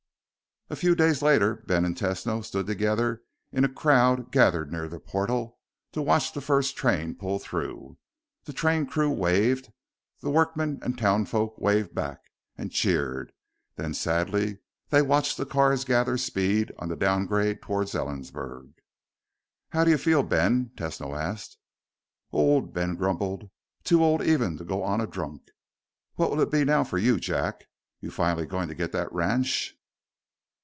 A few days later, Ben and Tesno stood together in a crowd gathered near the portal to watch the first train pull through. The train crew waved. The workmen and townfolk waved back and cheered. Then, sadly, they watched the cars gather speed on the down grade toward Ellensburg. "How do you feel, Ben?" Tesno asked. "Old," Ben grumbled. "Too old even to go on a drunk. What will it be now for you, Jack? You finally going to get to that ranch?"